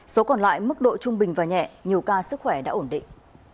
số còn lại mức độ trung bình và nhẹ nhiều ca sức khỏe đã ổn định